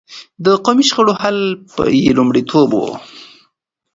د قومي شخړو حل يې لومړيتوب و.